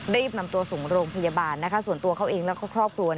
รีบนำตัวส่งโรงพยาบาลส่วนตัวเขาเองแล้วก็ครอบครัว